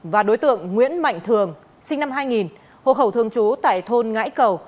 và đối tượng nguyễn mạnh thường sinh năm hai nghìn hộ khẩu thường trú tại thôn ngãi cầu